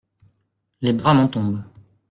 Les bras m’en tombent.